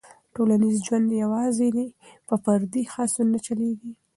ټولنیز ژوند یوازې په فردي هڅو نه چلېږي.